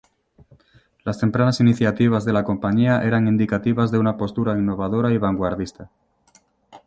Las tempranas iniciativas de la compañía eran indicativas de una postura innovadora y vanguardista.